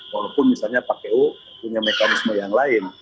walaupun misalnya kpu punya mekanisme yang lain